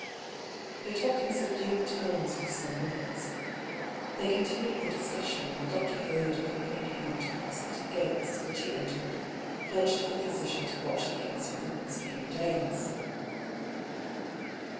They talked in subdued tones for some minutes. They continued the discussion while Dr. Hildyard ac companied Hugh to the hospital gates, which he en tered, pledged to the physician to watch the case for the next few days.